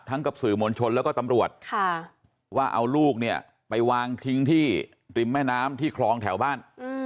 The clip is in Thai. กับสื่อมวลชนแล้วก็ตำรวจว่าเอาลูกเนี่ยไปวางทิ้งที่ริมแม่น้ำที่คลองแถวบ้าน